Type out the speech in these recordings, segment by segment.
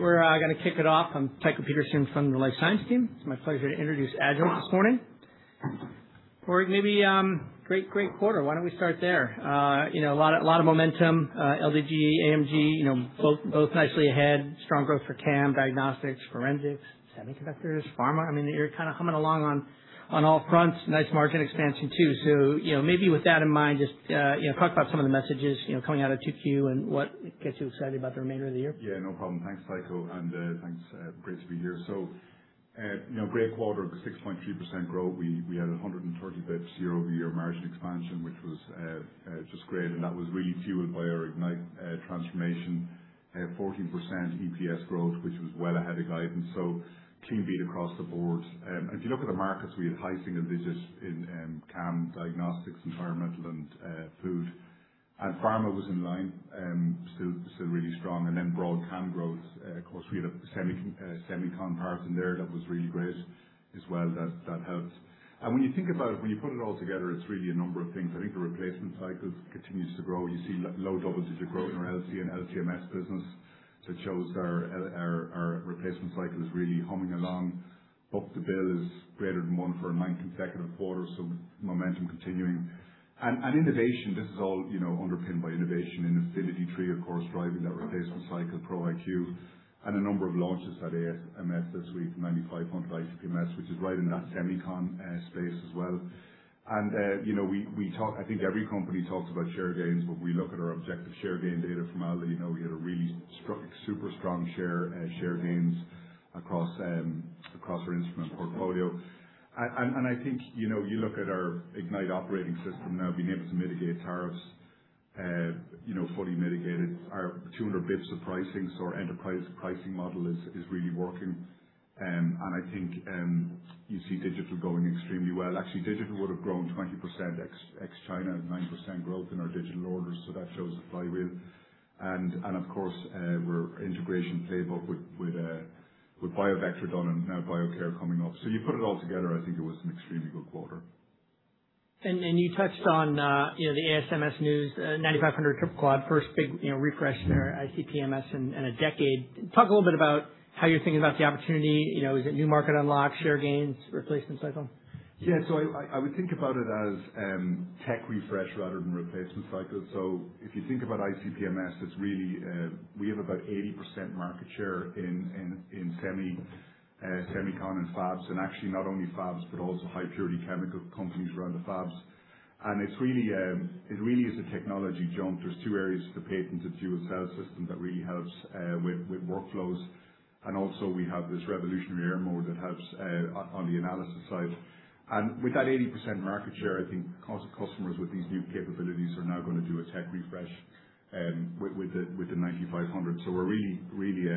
We're going to kick it off. I'm Tycho Peterson from the Life Science team. It's my pleasure to introduce Agilent this morning. Padraig, maybe great quarter. Why don't we start there? A lot of momentum. LDG, AMG both nicely ahead. Strong growth for C&AM, diagnostics, forensics, semiconductors, pharma. You're kind of humming along on all fronts. Nice margin expansion, too. Maybe with that in mind, just talk about some of the messages coming out of 2Q and what gets you excited about the remainder of the year. Yeah, no problem. Thanks, Tycho, and thanks. Great to be here. Great quarter with a 6.3% growth. We had 130 basis points year-over-year margin expansion, which was just great, and that was really fueled by our Ignite transformation. 14% EPS growth, which was well ahead of guidance. Clean beat across the board. If you look at the markets, we had high single digits in C&AM diagnostics, environmental and food. Pharma was in line, still really strong. Broad C&AM growth. Of course, we had a semicon part in there that was really great as well, that helped. When you think about it, when you put it all together, it's really a number of things. I think the replacement cycles continues to grow. You see low double-digit growth in our LC and LC-MS business that shows our replacement cycle is really humming along. Books to bill is greater than one for a ninth consecutive quarter, momentum continuing. Innovation, this is all underpinned by innovation. Infinity III, of course, driving that replacement cycle, Pro iQ and a number of launches at ASMS this week. 9500 ICP-MS, which is right in that semicon space as well. I think every company talks about share gains, but we look at our objective share gain data from ALDA. We had a really super strong share gains across our instrument portfolio. I think you look at our Ignite operating system now being able to mitigate tariffs, fully mitigated our 200 basis points of pricing. Our enterprise pricing model is really working. I think you see digital growing extremely well. Actually, digital would have grown 20% ex China and 9% growth in our digital orders. That shows the flywheel. Of course, our integration playbook with BIOVECTRA done and now Biocare coming up. You put it all together, I think it was an extremely good quarter. You touched on the ASMS news, 9500 Triple Quad, first big refresh in our ICP-MS in a decade. Talk a little bit about how you're thinking about the opportunity. Is it new market unlocks, share gains, replacement cycle? Yeah. I would think about it as tech refresh rather than replacement cycle. If you think about ICP-MS, that's really, we have about 80% market share in semicon and fabs, and actually not only fabs but also high purity chemical companies around the fabs. It really is a technology jump. There's two areas of the patent, the dual cell system that really helps with workflows, and also we have this revolutionary air mode that helps on the analysis side. With that 80% market share, I think customers with these new capabilities are now going to do a tech refresh with the 9500. We're really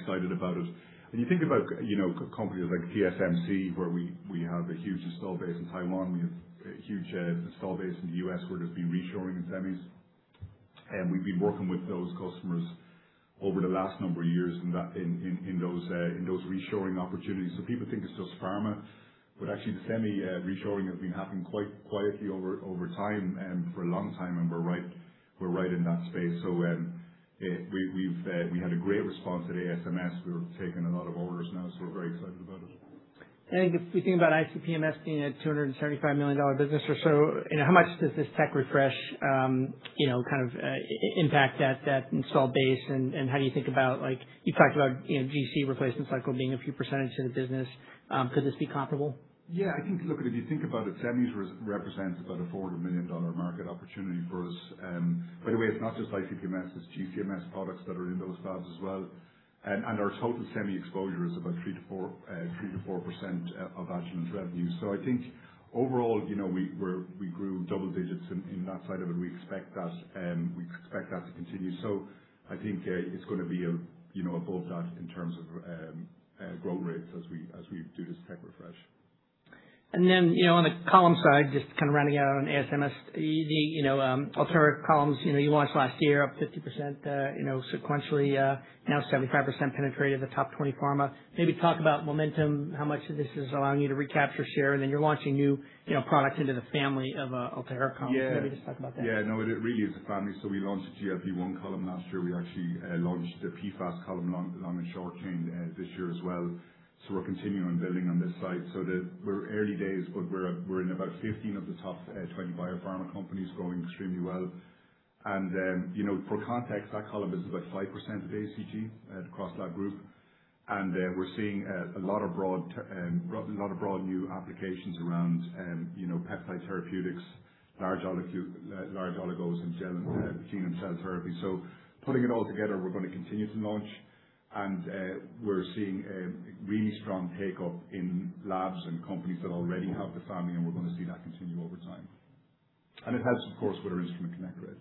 excited about it. When you think about companies like TSMC, where we have a huge install base in Taiwan, we have a huge install base in the U.S. where there's been reshoring in semis. We've been working with those customers over the last number of years in those reshoring opportunities. People think it's just pharma, but actually the semi reshoring has been happening quite quietly over time and for a long time, and we're right in that space. We had a great response at ASMS. We've taken a lot of orders now, so we're very excited about it. If we think about ICP-MS being a $275 million business or so, how much does this tech refresh kind of impact that install base? How do you think about, you talked about GC replacement cycle being a few % of the business. Could this be comparable? Yeah, I think, look, if you think about it, semis represents about a $400 million market opportunity for us. By the way, it's not just ICP-MS, it's GC-MS products that are in those fabs as well. Our total semi exposure is about 3%-4% of Agilent's revenue. I think overall we grew double digits in that side of it. We expect that to continue. I think it's going to be above that in terms of growth rates as we do this tech refresh. On the column side, just kind of rounding out on ASMS. Agilent Altura columns, you launched last year up 50% sequentially, now 75% penetrated the top 20 pharma. Maybe talk about momentum, how much this is allowing you to recapture share, and then you're launching new products into the family of Altura columns? Maybe just talk about that? It really is a family. We launched a GLP-1 column last year. We actually launched a PFAS column on a short chain this year as well. We're continuing building on this site. We're early days, but we're in about 15 of the top 20 biopharma companies growing extremely well. For context, that column business is about 5% of ACG across that group. We're seeing a lot of broad new applications around peptide therapeutics, large oligos, and gene and cell therapy. Putting it all together, we're going to continue to launch and we're seeing a really strong take-up in labs and companies that already have the family, and we're going to see that continue over time. It helps, of course, with our instrument connect grid.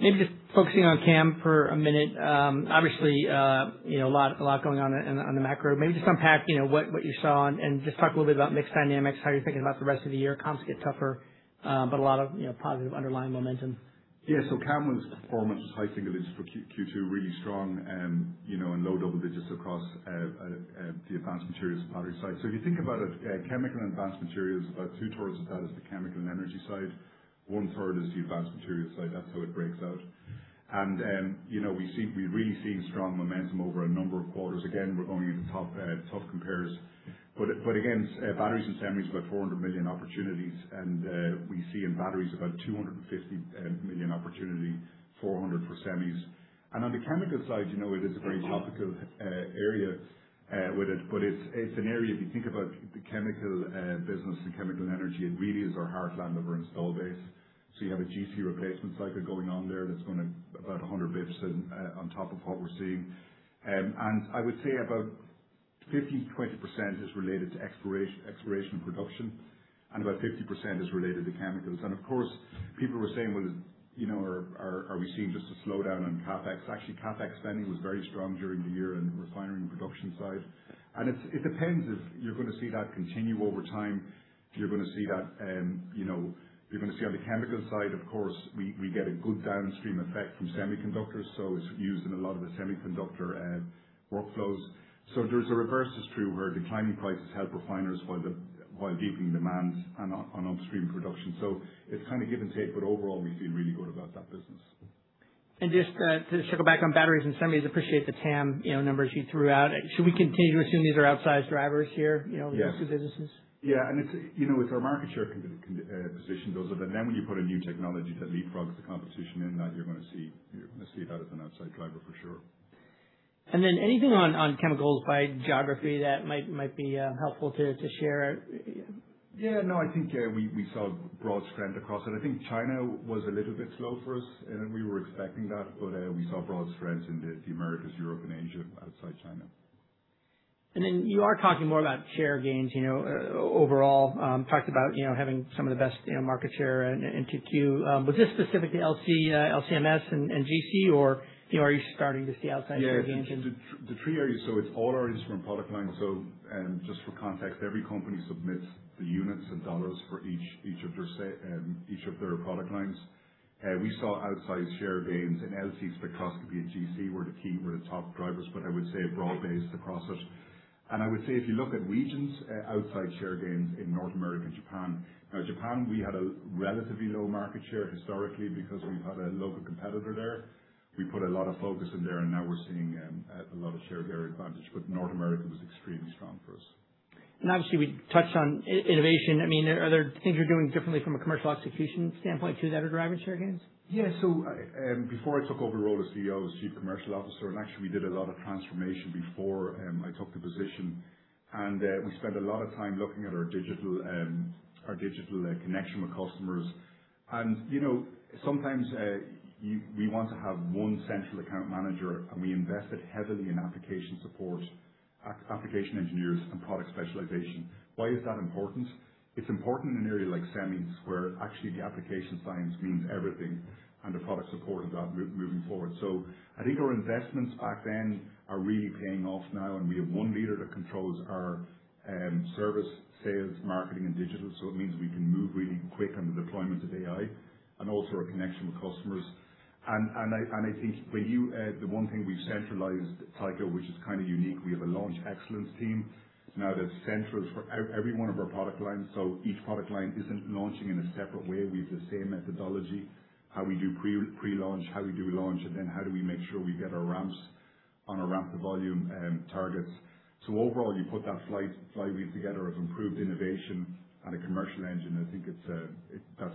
Maybe just focusing on C&AM for a minute. Obviously, a lot going on the macro. Maybe just unpack what you saw and just talk a little bit about mix dynamics, how you're thinking about the rest of the year. Comps get tougher, but a lot of positive underlying momentum. Yeah. C&AM was performance high single digits for Q2, really strong and low double digits across the Advanced Materials and battery side. If you think about it, Chemicals & Advanced Materials, about two-thirds of that is the chemical and energy side. One third is the Advanced Materials side. That's how it breaks out. We're really seeing strong momentum over a number of quarters. Again, we're going into tough compares. Again, batteries and semis, about $400 million opportunities. We see in batteries about $250 million opportunity, $400 million for semis. On the chemical side, it is a very topical area. It's an area, if you think about the chemical business and chemical energy ingredients are heartland of our install base. You have a GC replacement cycle going on there that's going to about 100 basis points on top of what we're seeing. I would say about 15%-20% is related to exploration production, and about 50% is related to chemicals. Of course, people were saying, "Well, are we seeing just a slowdown on CapEx?" Actually, CapEx spending was very strong during the year in refinery and production side. It depends if you're going to see that continue over time. You're going to see on the chemical side, of course, we get a good downstream effect from semiconductors, so it's used in a lot of the semiconductor workflows. There's a reverse is true where declining prices help refiners while deepening demands on upstream production. It's kind of give and take, but overall, we feel really good about that business. Just to circle back on batteries and semis, appreciate the TAM numbers you threw out. Should we continue to assume these are outsized drivers here? Yes These two businesses? Yeah. With our market share position, those are. When you put a new technology that leapfrogs the competition in that you're going to see that as an outside driver for sure. Anything on chemicals by geography that might be helpful to share? No. I think we saw broad strength across it. I think China was a little bit slow for us, and we were expecting that. We saw broad strength in the Americas, Europe and Asia outside China. You are talking more about share gains overall. Talked about having some of the best market share in 2Q. Was this specific to LC-MS and GC or are you starting to see outsized share gains? Yeah. The three areas, it's all our instrument product lines. Just for context, every company submits the units and dollars for each of their product lines. We saw outsized share gains in LC spectroscopy and GC were the top drivers, I would say broad-based across it. I would say if you look at regions outside share gains in North America and Japan. Now Japan, we had a relatively low market share historically because we've had a local competitor there. We put a lot of focus in there and now we're seeing a lot of share gain advantage. North America was extremely strong for us. Obviously, we touched on innovation. Are there things you're doing differently from a commercial execution standpoint too, that are driving share gains? Yeah. Before I took over the role as CCO, as Chief Commercial Officer, actually we did a lot of transformation before I took the position. We spent a lot of time looking at our digital connection with customers. Sometimes, we want to have one central account manager, and we invested heavily in application support, application engineers and product specialization. Why is that important? It's important in an area like semis where actually the application science means everything and the product support of that moving forward. I think our investments back then are really paying off now, and we have one leader that controls our service, sales, marketing and digital. It means we can move really quick on the deployment of AI and also our connection with customers. I think the one thing we've centralized, Tycho, which is kind of unique, we have a launch excellence team now that's central for every one of our product lines. Each product line isn't launching in a separate way. We have the same methodology. How we do pre-launch, how we do launch, and then how do we make sure we get our ramps on our ramp to volume targets. Overall, you put that flywheel together of improved innovation and a commercial engine. I think that's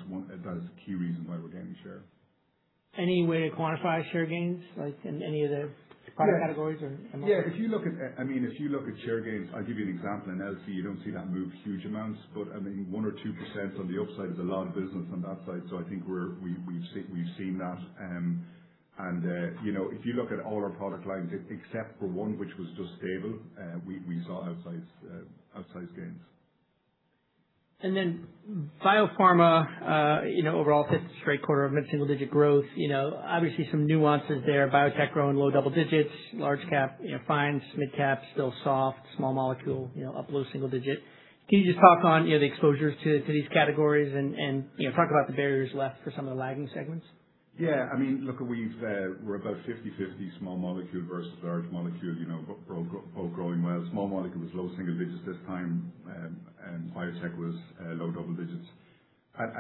a key reason why we're gaining share. Any way to quantify share gains, like in any of the product categories or most of them? Yeah. If you look at share gains, I'll give you an example. In LC, you don't see that move huge amounts, but 1% or 2% on the upside is a lot of business on that side. I think we've seen that. If you look at all our product lines, except for one which was just stable, we saw outsized gains. Biopharma, overall fifth straight quarter of mid-single digit growth. Obviously some nuances there. Biotech growing low double digits, large cap fine, mid-cap still soft, small molecule up low single digit. Can you just talk on the exposures to these categories and talk about the barriers left for some of the lagging segments? Yeah. We're about 50/50 small molecule versus large molecule, both growing well. Small molecule was low single digits this time, biotech was low double digits.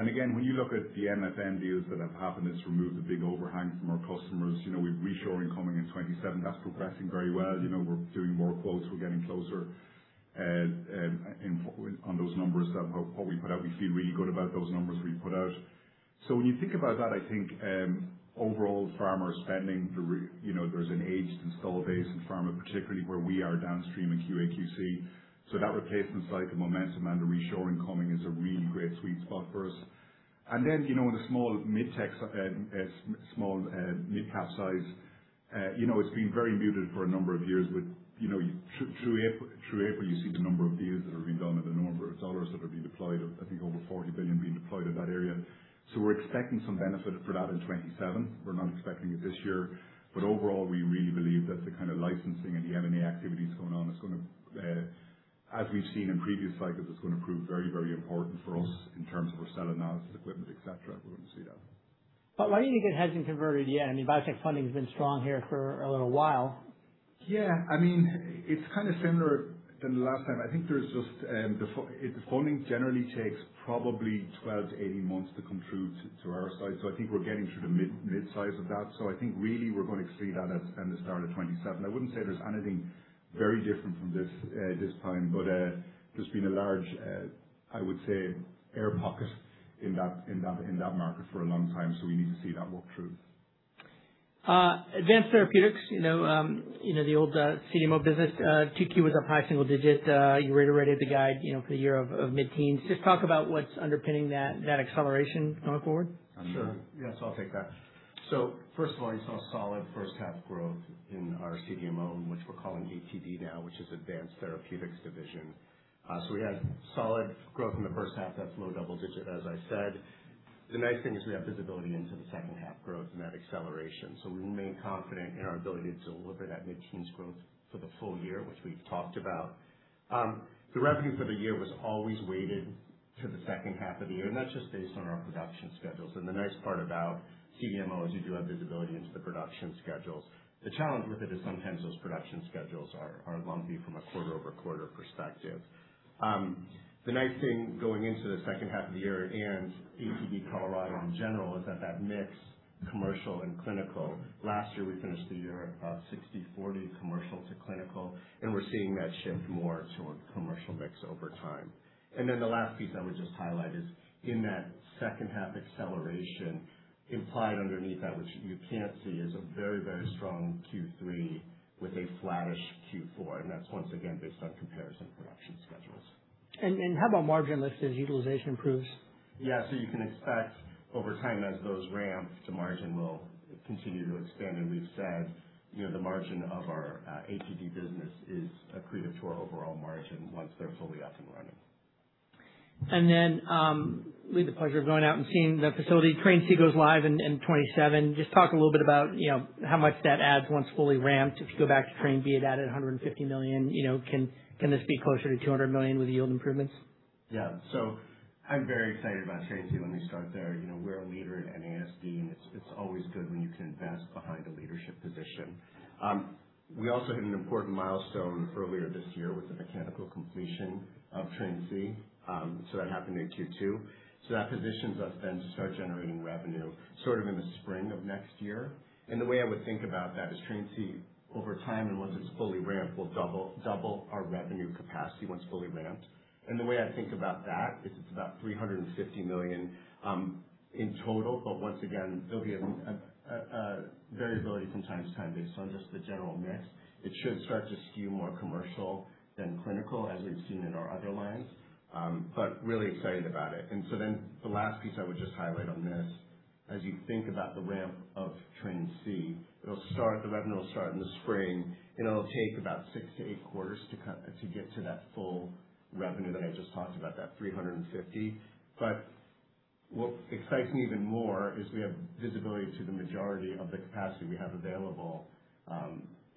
Again, when you look at the M&A deals that have happened, it's removed a big overhang from our customers. We've reshoring coming in 2027. That's progressing very well. We're doing more quotes. We're getting closer on those numbers of what we put out. We feel really good about those numbers we put out. When you think about that, I think overall pharma spending, there's an aged install base in pharma, particularly where we are downstream in QA/QC. That replacement cycle momentum and the reshoring coming is a really great sweet spot for us. Then in the small, mid-cap size, it's been very muted for a number of years. Through April, you see the number of deals that have been done and the number of dollars that have been deployed, I think over $40 billion being deployed in that area. We're expecting some benefit for that in 2027. We're not expecting it this year, but overall, we really believe that the kind of licensing and the M&A activities going on, as we've seen in previous cycles, is going to prove very, very important for us in terms of our cell analysis equipment, et cetera. We're going to see that. Why do you think it hasn't converted yet? Biotech funding has been strong here for a little while. It's kind of similar to the last time. I think there's just the funding generally takes probably 12-18 months to come through to our side. I think we're getting to the mid-size of that. I think really we're going to see that at the start of 2027. I wouldn't say there's anything very different from this time. There's been a large, I would say, air pocket in that market for a long time. We need to see that work through. Advanced Therapeutics, the old CDMO business, 2Q was up high single digit. You reiterated the guide for the year of mid-teens. Just talk about what's underpinning that acceleration going forward. Sure. Yeah. I'll take that. First of all, you saw solid first half growth in our CDMO, which we're calling ATD now, which is Advanced Therapeutics Division. We had solid growth in the first half. That's low double-digit, as I said. The nice thing is we have visibility into the second half growth and that acceleration. We remain confident in our ability to deliver that mid-teens growth for the full year, which we've talked about. The revenue for the year was always weighted to the second half of the year, and that's just based on our production schedules. The nice part about CDMO is you do have visibility into the production schedules. The challenge with it is sometimes those production schedules are lumpy from a quarter-over-quarter perspective. The nice thing going into the second half of the year and ATD Colorado in general is that that mix commercial and clinical. Last year we finished the year about 60/40 commercial to clinical, and we're seeing that shift more toward commercial mix over time. The last piece I would just highlight is in that second half acceleration implied underneath that which you can't see is a very strong Q3 with a flattish Q4. That's once again based on comparison production schedules. How about margin lift as utilization improves? You can expect over time as those ramps to margin will continue to expand. We've said, the margin of our ATD business is accretive to our overall margin once they're fully up and running. We had the pleasure of going out and seeing the facility. Train C goes live in 2027. Just talk a little bit about how much that adds once fully ramped? If you go back to Train B, it added $150 million. Can this be closer to $200 million with yield improvements? Yeah. I'm very excited about Train C when we start there. We're a leader in NASD, it's always good when you can invest behind a leadership position. We also hit an important milestone earlier this year with the mechanical completion of Train C, that happened in Q2. That positions us to start generating revenue sort of in the spring of next year. The way I would think about that is Train C over time and once it's fully ramped, will double our revenue capacity once fully ramped. The way I think about that is it's about $350 million in total, once again, there'll be a variability from time to time based on just the general mix. It should start to skew more commercial than clinical, as we've seen in our other lines. Really excited about it. The last piece I would just highlight on this, as you think about the ramp of Train C, the revenue will start in the spring, and it'll take about six to eight quarters to get to that full revenue that I just talked about, that $350. What excites me even more is we have visibility to the majority of the capacity we have available,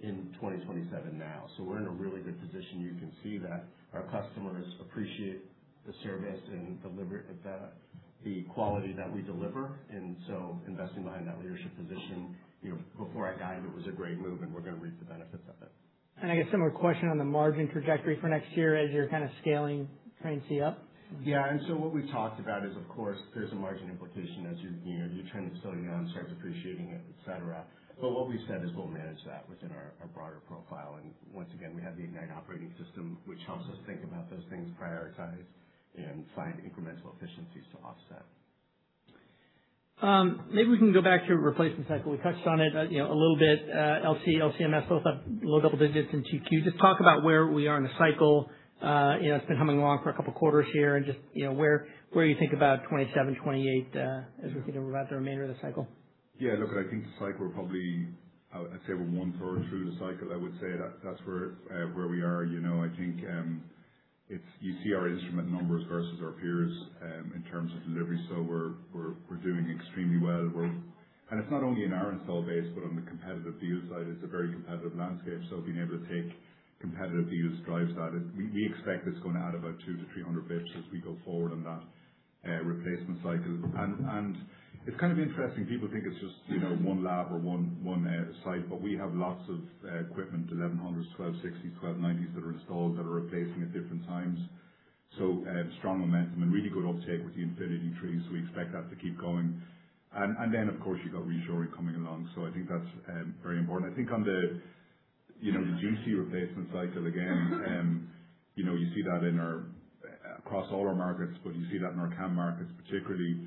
in 2027 now. We're in a really good position. You can see that our customers appreciate the service and the quality that we deliver. Investing behind that leadership position, before I got here was a great move and we're going to reap the benefits of it. I guess similar question on the margin trajectory for next year as you're kind of scaling Train C up. Yeah. What we've talked about is of course, there's a margin implication as your new train is fully on, starts appreciating it, et cetera. What we've said is we'll manage that within our broader profile. Once again, we have the Ignite operating system, which helps us think about those things, prioritize, and find incremental efficiencies to offset. Maybe we can go back to replacement cycle. We touched on it a little bit. LC-MS, both have low double digits in 2Q. Just talk about where we are in the cycle. It's been humming along for a couple of quarters here and just where you think about 2027, 2028, as we think about the remainder of the cycle. Yeah, look, I think the cycle probably, I'd say we're one third through the cycle. I would say that's where we are. I think you see our instrument numbers versus our peers, in terms of delivery. We're doing extremely well. It's not only in our install base, but on the competitive view side, it's a very competitive landscape. Being able to take competitive views drives that. We expect it's going to add about two to 300 basis points as we go forward on that replacement cycle. It's kind of interesting. People think it's just one lab or one site, but we have lots of equipment, 1100s, 1260s, 1290s that are installed that are replacing at different times. Strong momentum and really good uptake with the Infinity III. We expect that to keep going. Of course you've got reshoring coming along. I think that's very important. I think on the GC replacement cycle again, you see that across all our markets, but you see that in our C&AM markets particularly.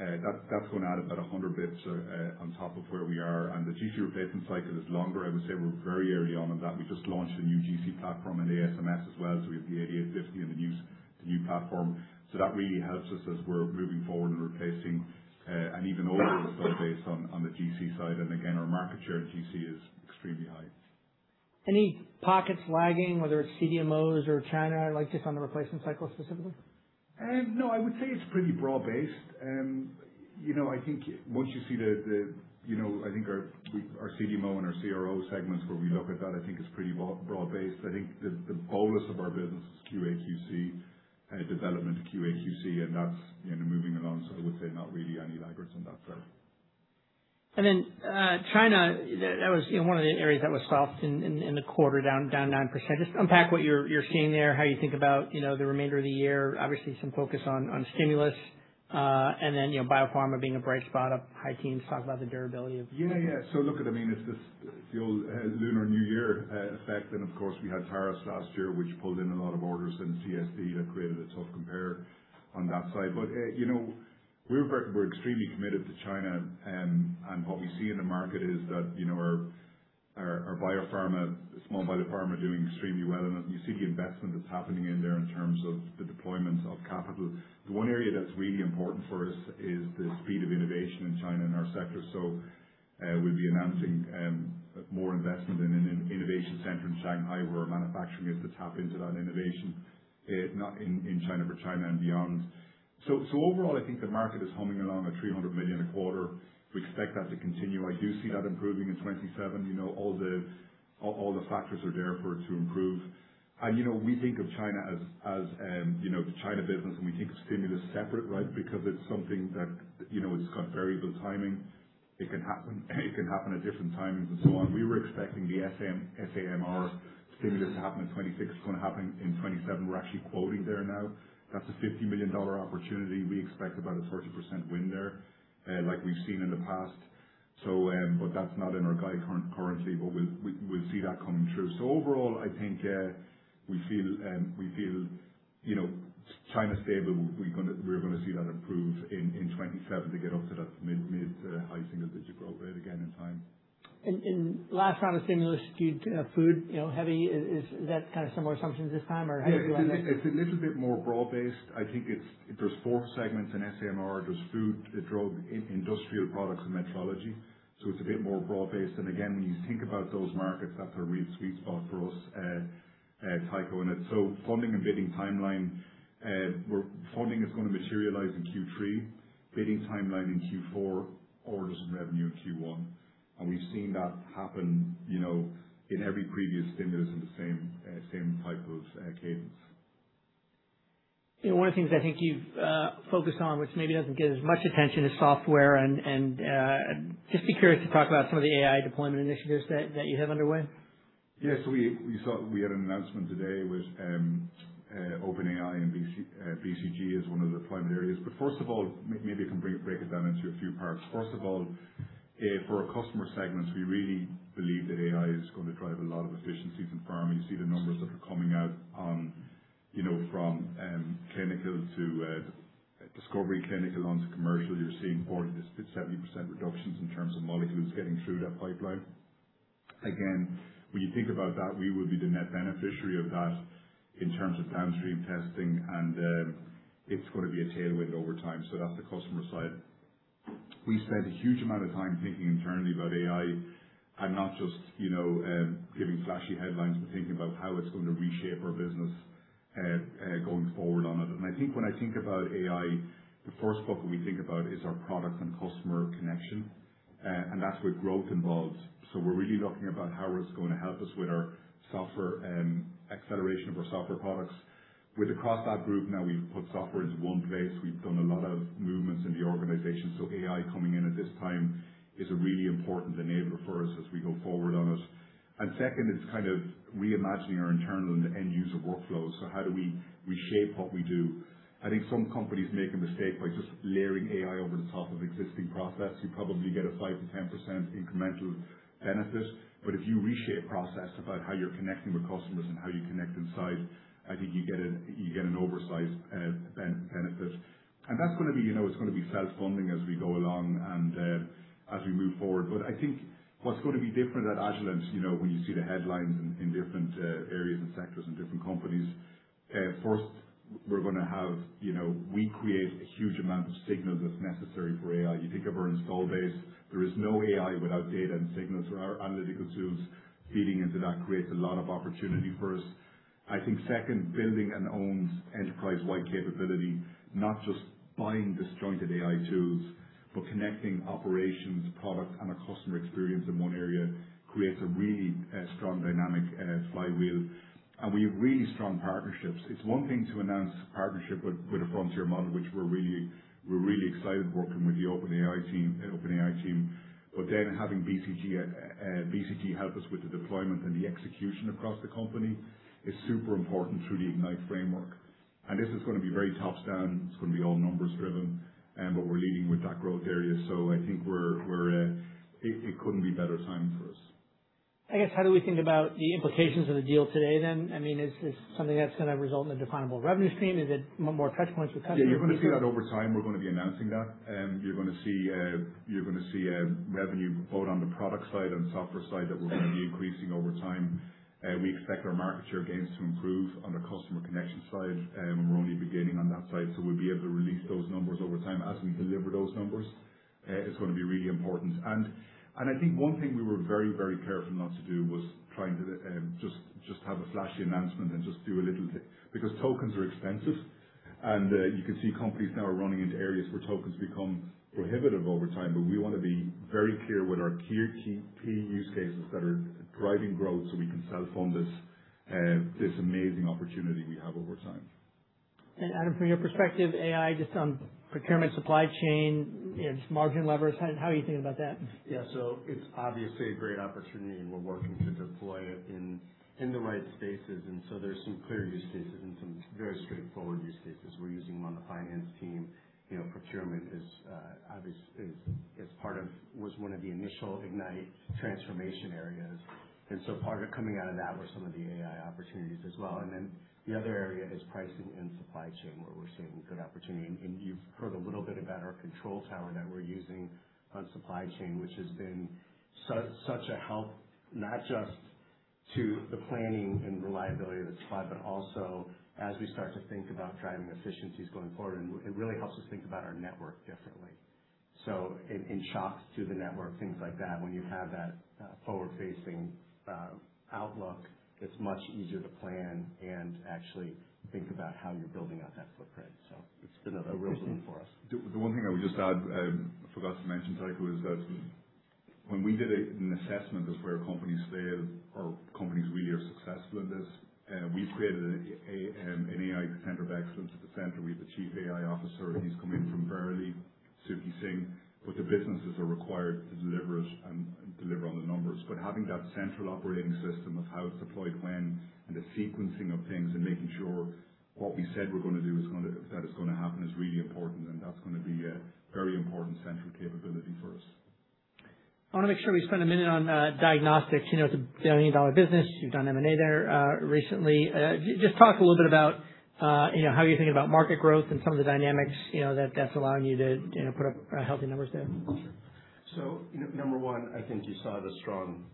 That's going to add about 100 basis points on top of where we are. The GC replacement cycle is longer. I would say we're very early on in that. We just launched a new GC platform and ASMS as well. We have the 8850 and the new platform. That really helps us as we're moving forward and replacing, and even over our install base on the GC side. Again, our market share in GC is extremely high. Any pockets lagging, whether it's CDMOs or China, just on the replacement cycle specifically? No. I would say it's pretty broad-based. I think our CDMO and our CRO segments where we look at that, I think it's pretty broad-based. I think the breadth of our business is QAQC, development of QAQC, and that's moving along. I would say not really any laggards on that front. China, that was one of the areas that was soft in the quarter, down 9%. Just unpack what you're seeing there, how you think about the remainder of the year. Obviously, some focus on stimulus, biopharma being a bright spot of high teens. Yeah. Look, it's the old Lunar New Year effect. Of course, we had SARS-CoV-2 last year, which pulled in a lot of orders in CSB that created a tough compare on that side. We're extremely committed to China. What we see in the market is that our small biopharma doing extremely well. You see the investment that's happening in there in terms of the deployments of capital. The one area that's really important for us is the speed of innovation in China in our sector. We'll be announcing more investment in an innovation center in Shanghai, where manufacturing is to tap into that innovation, not in China, but China and beyond. Overall, I think the market is humming along at $300 million a quarter. We expect that to continue. I do see that improving in 2027. All the factors are there for it to improve. We think of China as the China business, and we think of stimulus separate because it's got variable timing. It can happen at different timings and so on. We were expecting the SAMR stimulus to happen in 2026. It's going to happen in 2027. We're actually quoting there now. That's a $50 million opportunity. We expect about a 30% win there, like we've seen in the past. That's not in our guide currently. We'll see that coming true. Overall, I think we feel China is stable. We're going to see that improve in 2027 to get up to that mid-to-high single-digit growth rate again in time. Last round of stimulus skewed food heavy. Is that kind of similar assumptions this time or how are you-? It's a little bit more broad-based. I think there's four segments in SAMR. There's food, drug, industrial products, and metrology. It's a bit more broad-based. When you think about those markets, that's a real sweet spot for us, Tycho. Funding and bidding timeline, funding is going to materialize in Q3, bidding timeline in Q4, orders and revenue in Q1. We've seen that happen in every previous stimulus in the same type of cadence. One of the things I think you've focused on, which maybe doesn't get as much attention is software. Just be curious to talk about some of the AI deployment initiatives that you have underway. We had an announcement today with OpenAI and BCG as one of the deployment areas. First of all, maybe I can break it down into a few parts. First of all, for our customer segments, we really believe that AI is going to drive a lot of efficiencies in pharma. You see the numbers that are coming out from clinical to discovery clinical onto commercial. You're seeing 40%-70% reductions in terms of molecules getting through that pipeline. Again, when you think about that, we will be the net beneficiary of that in terms of downstream testing, and it's going to be a tailwind over time. That's the customer side. We spent a huge amount of time thinking internally about AI and not just giving flashy headlines, but thinking about how it's going to reshape our business going forward on it. I think when I think about AI, the first bucket we think about is our product and customer connection. That's where growth evolves. We're really looking about how it's going to help us with our software and acceleration of our software products. With Agilent CrossLab Group now we've put software into one place. We've done a lot of movements in the organization. AI coming in at this time is a really important enabler for us as we go forward on it. Second is kind of reimagining our internal and end user workflows. How do we shape what we do? I think some companies make a mistake by just layering AI over the top of existing process. You probably get a 5%-10% incremental benefit. If you reshape process about how you're connecting with customers and how you connect inside, I think you get an oversized benefit. That's going to be self-funding as we go along and as we move forward. I think what's going to be different at Agilent when you see the headlines in different areas and sectors and different companies, first, we create a huge amount of signals that's necessary for AI. You think of our install base. There is no AI without data and signals. Our analytical tools feeding into that creates a lot of opportunity for us. I think second, building an owned enterprise-wide capability, not just buying disjointed AI tools, but connecting operations, product, and a customer experience in one area creates a really strong dynamic flywheel. We have really strong partnerships. It's one thing to announce partnership with a frontier model, which we're really excited working with the OpenAI team. Having BCG help us with the deployment and the execution across the company is super important through the Ignite framework. This is going to be very top-down. It's going to be all numbers driven. We're leading with that growth area. I think it couldn't be better timing for us. I guess how do we think about the implications of the deal today then? I mean, is this something that's going to result in a definable revenue stream? Is it more touchpoints with customers? Yeah. You're going to see that over time. We're going to be announcing that. You're going to see revenue both on the product side and software side that we're going to be increasing over time. We expect our market share gains to improve on the customer connection side. We're only beginning on that side. We'll be able to release those numbers over time as we deliver those numbers. It's going to be really important. I think one thing we were very careful not to do was trying to just have a flashy announcement and just do a little thing because tokens are expensive. You can see companies now are running into areas where tokens become prohibitive over time. We want to be very clear with our key use cases that are driving growth so we can self-fund this amazing opportunity we have over time. Adam, from your perspective, AI, just on procurement, supply chain, just margin levers, how are you thinking about that? It's obviously a great opportunity, and we're working to deploy it in the right spaces. There's some clear use cases and some very straightforward use cases. We're using one, the finance team. Procurement was one of the initial Ignite transformation areas. Part of coming out of that were some of the AI opportunities as well. The other area is pricing and supply chain, where we're seeing good opportunity. You've heard a little bit about our control tower that we're using on supply chain, which has been such a help, not just to the planning and reliability of the supply, but also as we start to think about driving efficiencies going forward. It really helps us think about our network differently. In shocks to the network, things like that, when you have that forward-facing outlook, it's much easier to plan and actually think about how you're building out that footprint. It's been a real win for us. The one thing I would just add, I forgot to mention, Tycho, is that when we did an assessment of where companies fail or companies really are successful in this, we've created an AI Center of Excellence. At the center, we have the Chief AI Officer, and he's come in from Verily, Sukhveer Singh. The businesses are required to deliver it and deliver on the numbers. Having that central operating system of how it's deployed when and the sequencing of things and making sure what we said we're going to do, that is going to happen, is really important, and that's going to be a very important central capability for us. I want to make sure we spend a minute on diagnostics. It's a billion-dollar business. You've done M&A there recently. Just talk a little bit about how you're thinking about market growth and some of the dynamics that's allowing you to put up healthy numbers there. Sure. Number one, I think you saw the strong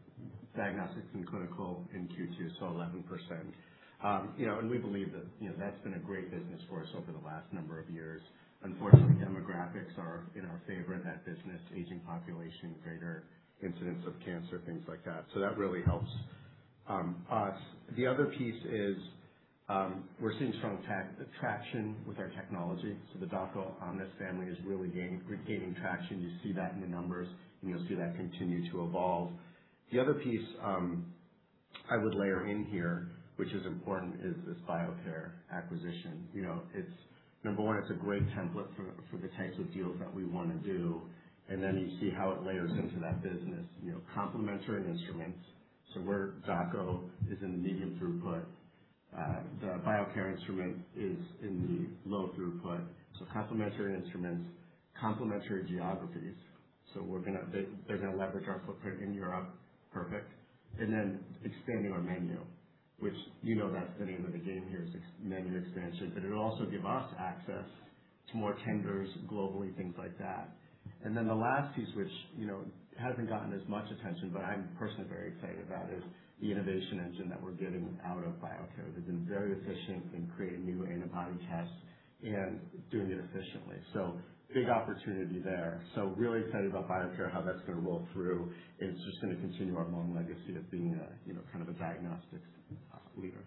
diagnostics in clinical in Q2, so 11%. We believe that's been a great business for us over the last number of years. Unfortunately, demographics are in our favor in that business. Aging population, greater incidence of cancer, things like that. That really helps us. The other piece is we're seeing strong traction with our technology. The Dako Omnis family is really regaining traction. You see that in the numbers, you'll see that continue to evolve. The other piece I would layer in here, which is important, is this Biocare acquisition. Number one, it's a great template for the types of deals that we want to do, you see how it layers into that business. Complementary instruments. Where Dako is in the medium throughput, the Biocare instrument is in the low throughput. Complementary instruments, complementary geographies. They're going to leverage our footprint in Europe. Perfect. Expanding our menu, which you know that's the name of the game here, is menu expansion. It'll also give us access to more tenders globally, things like that. The last piece, which hasn't gotten as much attention, but I'm personally very excited about, is the innovation engine that we're getting out of Biocare. They've been very efficient in creating new antibody tests and doing it efficiently. Big opportunity there. Really excited about Biocare, how that's going to roll through, and it's just going to continue our long legacy of being a kind of a diagnostics leader.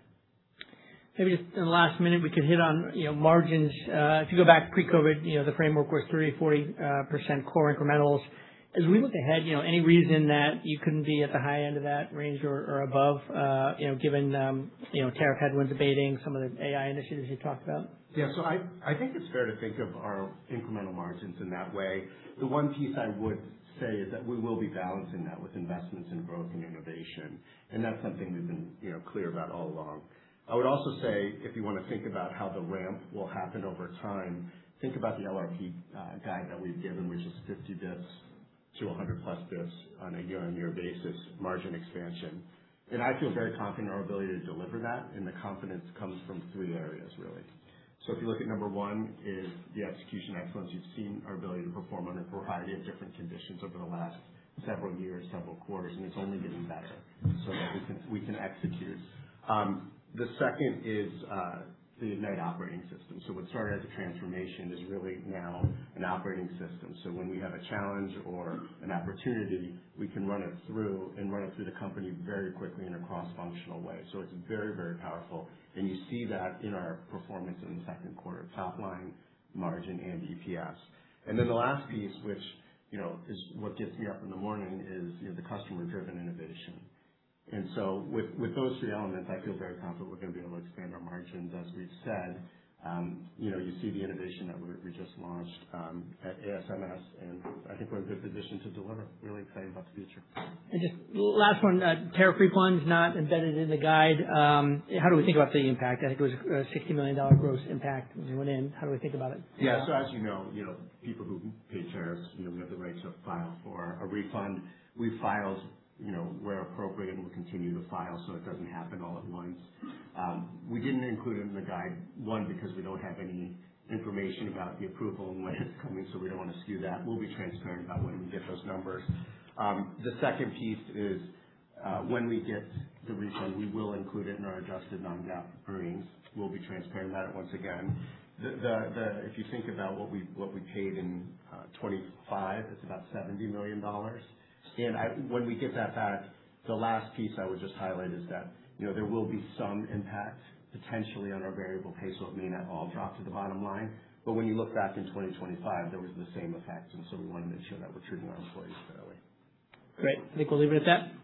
Maybe just in the last minute, we could hit on margins. If you go back pre-COVID, the framework was 30%, 40% core incrementals. As we look ahead, any reason that you couldn't be at the high end of that range or above, given tariff headwinds abating, some of the AI initiatives you talked about? Yeah. I think it's fair to think of our incremental margins in that way. The one piece I would say is that we will be balancing that with investments in growth and innovation, and that's something we've been clear about all along. I would also say, if you want to think about how the ramp will happen over time, think about the LRP guide that we've given, which is 50 basis points to 100+ basis points on a year-over-year basis margin expansion. I feel very confident in our ability to deliver that, and the confidence comes from three areas, really. If you look at number one is the execution excellence. You've seen our ability to perform under a variety of different conditions over the last several years, several quarters, and it's only getting better. That we can execute. The second is the Ignite operating system. What started as a transformation is really now an operating system. When we have a challenge or an opportunity, we can run it through and run it through the company very quickly in a cross-functional way. It's very, very powerful, and you see that in our performance in the second quarter, top-line margin and EPS. The last piece, which is what gets me up in the morning, is the customer-driven innovation. With those three elements, I feel very confident we're going to be able to expand our margins, as we've said. You see the innovation that we just launched at ASMS, and I think we're in good position to deliver. Really excited about the future. Just last one, tariff refunds not embedded in the guide. How do we think about the impact? I think it was a $60 million gross impact when we went in. How do we think about it? Yeah. As you know, people who pay tariffs, we have the rights to file for a refund. We filed where appropriate, and we'll continue to file so it doesn't happen all at once. We didn't include it in the guide, one, because we don't have any information about the approval and when it's coming, so we don't want to skew that. We'll be transparent about when we get those numbers. The second piece is when we get the refund, we will include it in our adjusted non-GAAP earnings. We'll be transparent about it once again. If you think about what we paid in 2025, it's about $70 million. When we get that back, the last piece I would just highlight is that there will be some impact potentially on our variable pay, so it may not all drop to the bottom line. When you look back in 2025, there was the same effect, and so we want to make sure that we're treating our employees fairly. Great. I think we'll leave it at that. Thank you.